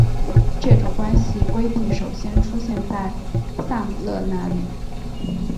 这种关系规定首先出现在塞姆勒那里。